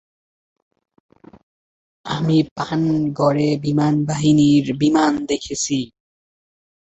আমি পানাগড়ে বিমানবাহিনীর বিমান দেখেছি।